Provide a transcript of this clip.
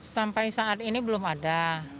sampai saat ini belum ada